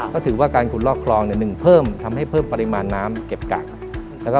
ก็ถือว่าการขุดลอกคลองเนี่ยหนึ่งเพิ่มทำให้เพิ่มปริมาณน้ำเก็บกัก